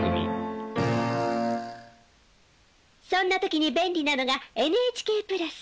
そんな時に便利なのがＮＨＫプラス！